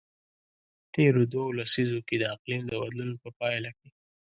تیرو دوو لسیزو کې د اقلیم د بدلون په پایله کې.